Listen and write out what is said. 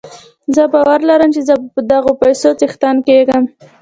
زه باور لرم چې زه به د دغو پيسو څښتن کېږم.